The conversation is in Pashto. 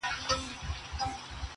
• ما اورېدلی قحط الرجال دی -